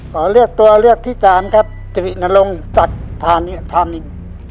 ขอเลือกตัวเลือกที่สามครับสิรินรงศักธานิธานิน